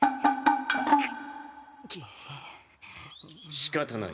しかたない。